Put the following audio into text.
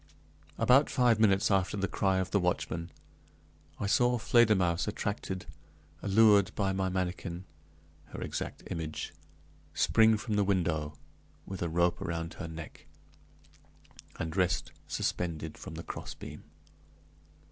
About five minutes after the cry of the watchman, I saw Fledermausse attracted, allured by my manikin (her exact image), spring from the window, with a rope around her neck, and rest suspended from the crossbeam.